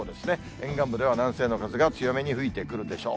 沿岸部では南西の風が強めに吹いてくるでしょう。